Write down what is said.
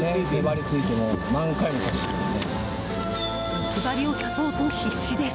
毒針を刺そうと必死です。